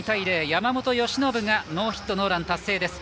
山本由伸がノーヒットノーラン達成です。